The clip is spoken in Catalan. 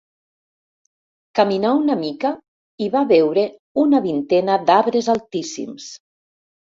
Caminà una mica i va veure una vintena d'arbres altíssims.